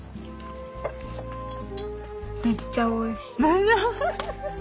・めっちゃおいしい。